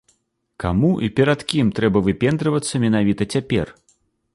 Каму і перад кім трэба выпендрывацца менавіта цяпер?